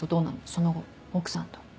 その後奥さんと。